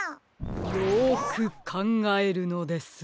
よくかんがえるのです。